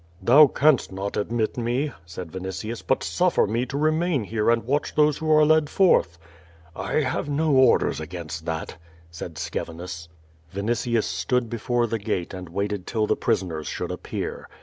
'' "Thou canst not admit me," said Vinitius, ^T)ut suffer me to remain here and watch those who are led forth." "I have no orders against that," said Scevinus. Vinitius stood before the gate and waited till the prisoners should appear.